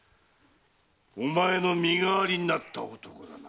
お前の身代わりになった男だな。